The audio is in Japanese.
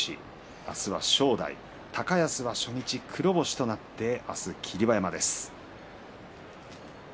明日は正代、高安が初日黒星となって明日は霧馬山です。